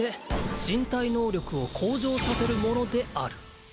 「身体能力を向上させるものである」